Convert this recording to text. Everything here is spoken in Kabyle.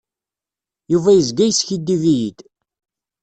Yuba yezga yeskiddib-iyi-d.